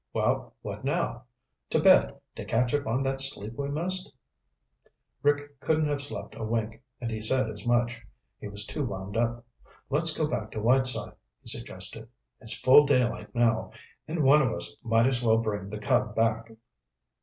Well, what now? To bed to catch up on that sleep we missed?" Rick couldn't have slept a wink, and he said as much. He was too wound up. "Let's go back to Whiteside," he suggested. "It's full daylight now and one of us might as well bring the Cub back."